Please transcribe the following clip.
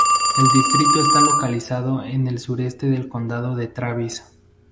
El distrito está localizada en el sureste del Condado de Travis.